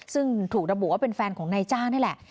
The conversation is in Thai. ซึ่งถูกระบุว่าเป็นแฟนของนายจ้างนี่แหละ